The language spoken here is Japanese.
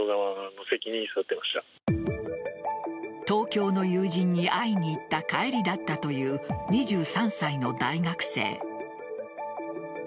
東京の友人に会いに行った帰りだったという２３歳の大学生。